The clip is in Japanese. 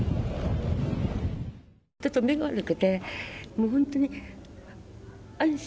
ちょっと目が悪くて、もう本当に安心。